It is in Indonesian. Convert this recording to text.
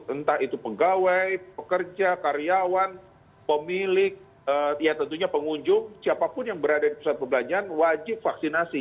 entah itu pegawai pekerja karyawan pemilik ya tentunya pengunjung siapapun yang berada di pusat perbelanjaan wajib vaksinasi